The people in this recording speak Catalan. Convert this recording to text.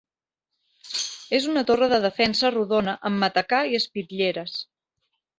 És una torre de defensa rodona amb matacà i espitlleres.